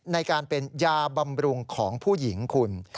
ในการเป็นยาบำรุงของผู้หญิงคุณ